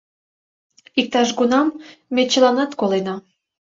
Иктаж-кунам ме чыланат колена.